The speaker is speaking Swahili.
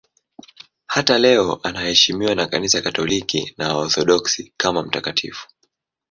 Hata leo anaheshimiwa na Kanisa Katoliki na Waorthodoksi kama mtakatifu.